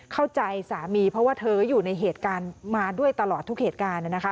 เข้าใจสามีเพราะว่าเธออยู่ในเหตุการณ์มาด้วยตลอดทุกเหตุการณ์นะคะ